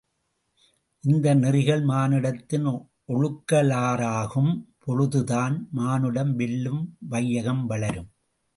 இந்த நெறிகள் மானுடத்தின் ஒழுகலாறாகும் பொழுதுதான் மானுடம் வெல்லும் வையகம் வளரும்.